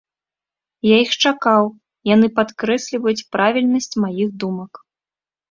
Я іх чакаў, яны падкрэсліваюць правільнасць маіх думак.